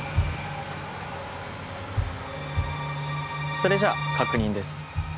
それじゃ確認です。